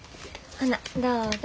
ほなどうぞ。